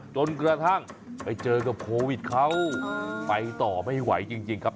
จนกระทั่งไปเจอกับโควิดเขาไปต่อไม่ไหวจริงครับ